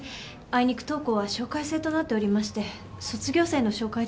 あいにく当校は紹介制となっておりまして卒業生の紹介でないと。